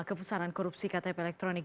kepesanan korupsi ktp elektronik